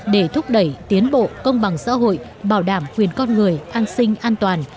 để thúc đẩy tiến bộ công bằng xã hội bảo đảm quyền con người an sinh an toàn